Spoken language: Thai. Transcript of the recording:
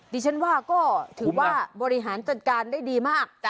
ดิฉันว่าก็ถือว่าบริหารจัดการได้ดีมาก